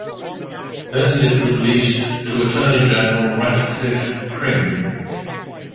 Then it was leased to Attorney-General Ratcliffe Pring.